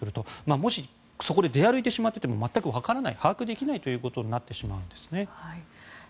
もしそこで出歩いてしまっても全く分からない把握できないということになってしまうんですね。